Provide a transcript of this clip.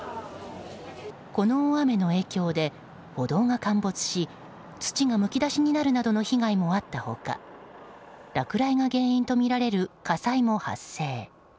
この大雨の影響で、歩道が陥没し土がむき出しになるなどの被害もあった他落雷が原因とみられる火災も発生。